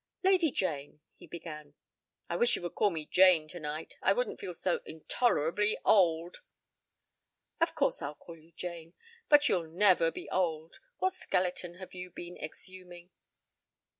"Lady Jane," he began. "I wish you would call me Jane tonight. I wouldn't feel so intolerably old." "Of course I'll call you Jane, but you'll never be old. What skeleton have you been exhuming?"